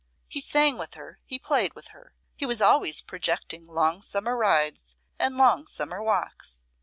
He sang with her, he played with her; he was always projecting long summer rides and long summer walks.